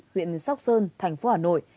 huyện sóc sơn thành phố hà nội